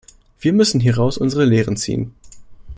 Wir müssen hieraus unsere Lehren ziehen.